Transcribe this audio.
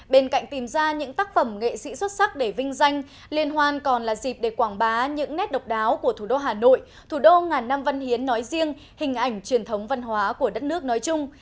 bên cạnh tìm ra những tác phẩm nghệ sĩ xuất sắc để vinh danh liên hoan còn là dịp để quảng bá những nét độc đáo của thủ đô hà nội thủ đô ngàn năm văn hiến nói riêng hình ảnh truyền thống văn hóa của đất nước nói chung